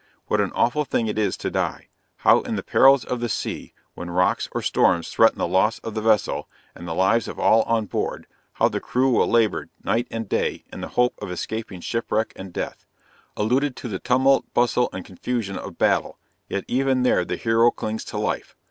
What an awful thing it is to die! how in the perils of the sea, when rocks or storms threaten the loss of the vessel, and the lives of all on board, how the crew will labor, night and day, in the hope of escaping shipwreck and death! alluded to the tumult, bustle and confusion of battle yet even there the hero clings to life.